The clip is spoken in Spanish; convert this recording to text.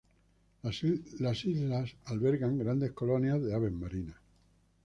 Las islas albergan grandes colonias de aves marinas.